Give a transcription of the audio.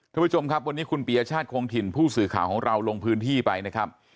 ทุกผู้ชมครับวันนี้คุณปียชาติคงถิ่นผู้สื่อข่าวของเราลงพื้นที่ไปนะครับ